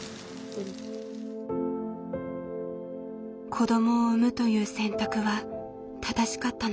子どもを産むという選択は正しかったのか。